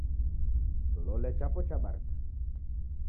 kilole chapo chabarika